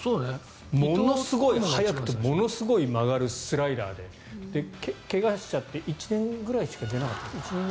ものすごい速くてものすごい曲がるスライダーで怪我しちゃって１２年くらいしか出られなかった。